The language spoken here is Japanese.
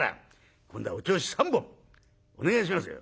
今度はおちょうし３本お願いしますよ」。